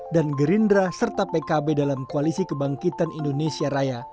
dan gerindra serta pkb dalam koalisi kebangkitan indonesia raya